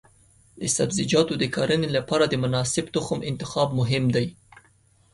د سبزیجاتو د کرنې لپاره د مناسب تخم انتخاب مهم دی.